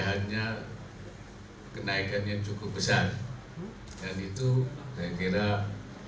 hal itu menurut amin menurut ma'ruf juga menyebut jika pemenang pilpres ditentukan oleh hasil hitung akhir oleh kpu